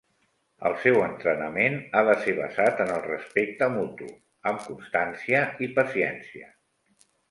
El seu entrenament ha de ser basat en el respecte mutu, amb constància i paciència.